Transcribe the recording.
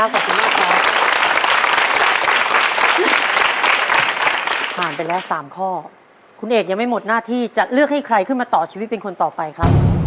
ผ่านไปแล้ว๓ข้อคุณเอกยังไม่หมดหน้าที่จะเลือกให้ใครขึ้นมาต่อชีวิตเป็นคนต่อไปครับ